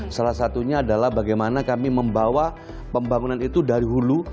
salah satunya adalah bagaimana kami membawa pembangunan itu dari hulu